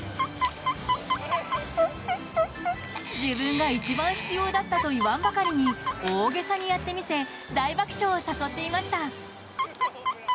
自分が一番必要だったと言わんばかりに大げさにやってみせ大爆笑を誘っていました。